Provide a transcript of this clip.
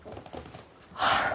はあ。